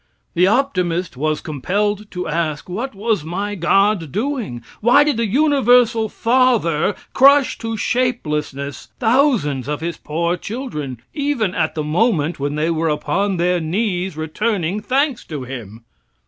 The optimist was compelled to ask, "What was my God doing? Why did the Universal Father crush to shapelessness thousands of his poor children, even at the moment when they were upon their knees returning thanks to Him?"